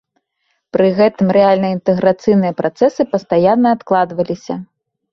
Пры гэтым рэальныя інтэграцыйныя працэсы пастаянна адкладваліся.